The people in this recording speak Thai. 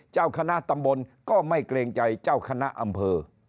เจ้าคณะตำบลก็ไม่เกรงใจเจ้าคณะอำเภอ